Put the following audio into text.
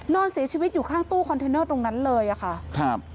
นอนเสียชีวิตอยู่ข้างตู้คอนเทนเนอร์ตรงนั้นเลยอะค่ะครับ